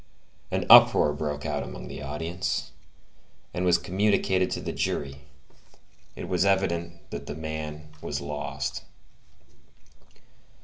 '" An uproar broke out among the audience, and was communicated to the jury; it was evident that the man was lost.